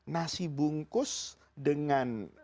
nasi bungkus dengan minumannya